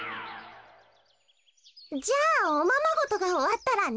じゃあおままごとがおわったらね。